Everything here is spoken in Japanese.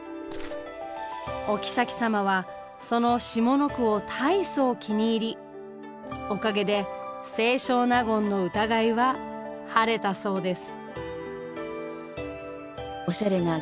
お后様はその下の句を大層気に入りおかげで清少納言の疑いは晴れたそうです。